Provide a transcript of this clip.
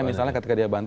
misalnya ketika dia bantu